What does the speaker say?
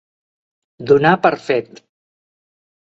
Donar per fet.